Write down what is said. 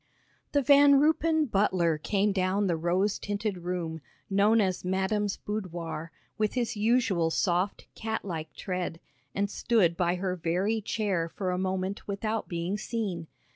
The Van Ruypen butler came down the rose tinted room, known as madam's boudoir, with his usual soft, catlike tread, and stood by her very chair for a moment without being seen.